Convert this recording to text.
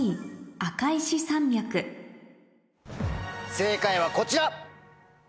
正解はこちら。